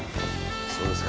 そうですか。